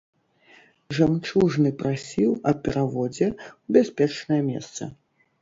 Жамчужны прасіў аб пераводзе ў бяспечнае месца.